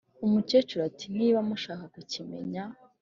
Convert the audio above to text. umukecuru ati"niba mushaka kukimenya